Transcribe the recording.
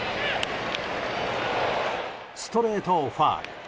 ストレートをファウル。